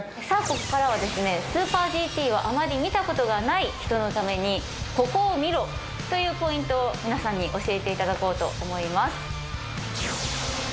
さあここからはですねスーパーＧＴをあまり見たことがない人のためにここを見ろ！というポイントを皆さんに教えていただこうと思います。